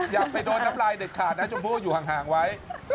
อยากไปโดนรับไลน์เด็ดขาดนะจมูกอยู่ห่างไว้